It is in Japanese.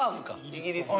イギリスの。